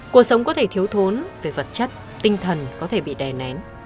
cuộc sống có thể thiếu thốn về vật chất tinh thần có thể bị đè nén